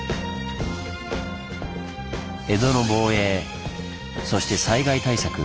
江戸の防衛そして災害対策。